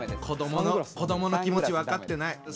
子どもの子どもの気持ち分かってない。